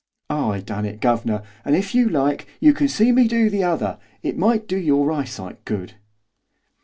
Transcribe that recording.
'I done it, guvnor, and, if you like, you can see me do the other. It might do your eyesight good.